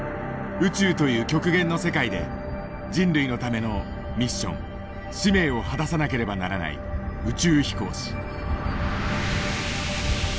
宇宙という極限の世界で人類のためのミッション使命を果たさなければならない宇宙飛行士。